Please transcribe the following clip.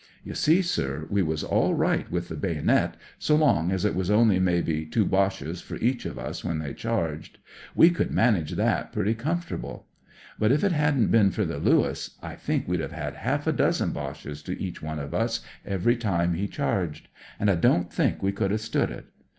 " You see, sir, we was all right with the baynit, so long as it was only maybe two Boches for each of us when they charged. We could manage that pretty comfort 68 CLOSE QUARTERS able. But if it hadn't bin for the Lewis I think we'd have had half a dozen Boches to each one of us every time he charged ; and I don't think we could 've stood it.